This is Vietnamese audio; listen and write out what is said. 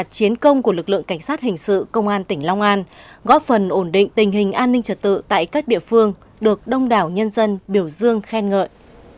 cảnh sát hình sự công an tỉnh long an góp phần ổn định tình hình an ninh trật tự tại các địa phương được đông đảo nhân dân biểu dương khen ngợi